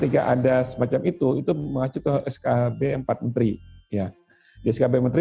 ketika ada semacam itu itu mengacu ke skb empat menteri